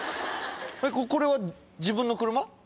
これは自分の車？